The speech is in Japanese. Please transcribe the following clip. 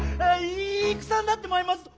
い戦になってまいます！